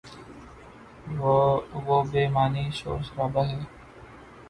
وہ بے معنی شور شرابہ ہے۔